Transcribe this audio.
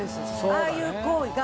ああいう行為が。